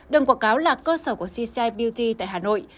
đừng quảng cáo là cơ sở của cci beauty tại hà nội